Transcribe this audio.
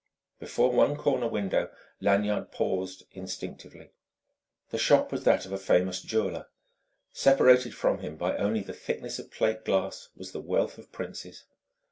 Before one corner window, Lanyard paused instinctively. The shop was that of a famous jeweller. Separated from him by only the thickness of plate glass was the wealth of princes.